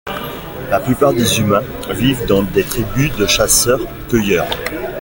La plupart des humains vivent dans des tribus de chasseurs-cueilleurs.